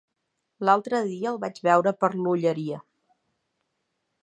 L'altre dia el vaig veure per l'Olleria.